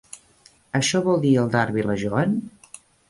Això vol dir el Darby i la Joan?